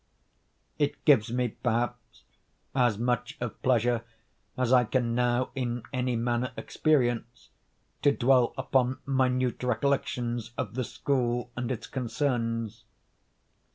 It gives me, perhaps, as much of pleasure as I can now in any manner experience, to dwell upon minute recollections of the school and its concerns.